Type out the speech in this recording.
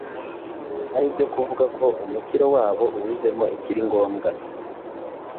Aribyo kuvuga ko umukiro wabo ubuzemo ikiri ngombwa,